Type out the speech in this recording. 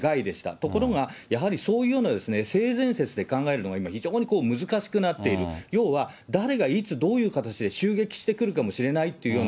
ところが、やはりそういうような性善説で考えるのが非常に難しくなっている、要は誰がいつどういう形で襲撃してくるかもしれないっていうよう